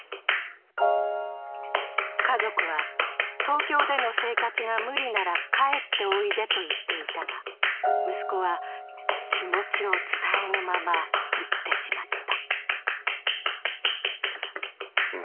家族は、東京での生活が無理なら帰っておいでと言っていたが息子は気持ちを伝えぬまま、逝ってしまった。